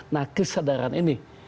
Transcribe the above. nah kesadaran ini